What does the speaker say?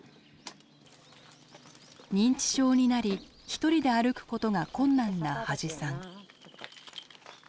認知症になり１人で歩くことが困難な土師さん。